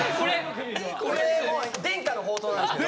これも伝家の宝刀なんですけど。